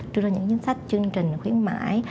đưa ra những danh sách chương trình khuyến mãi